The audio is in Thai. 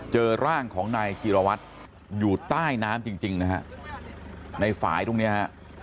เจอร่างของนายจิรวัตรอยู่ใต้น้ำจริงนะฮะในฝ่ายตรงเนี้ยฮะ